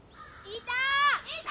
いた！